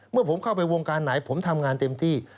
เมื่อผมเข้าไปวงการไหนผมทำงานเต็มที่